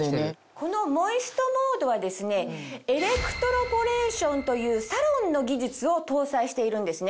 このモイストモードはですねエレクトロポレーションというサロンの技術を搭載しているんですね。